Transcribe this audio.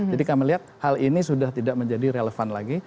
jadi kami lihat hal ini sudah tidak menjadi relevan lagi